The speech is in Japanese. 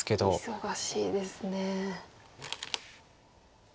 忙しいですね。